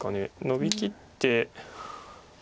ノビきって。